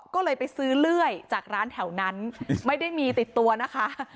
ก็เลยไปซื้อเลื่อยจากร้านแถวนั้นไม่ได้มีติดตัวนะคะ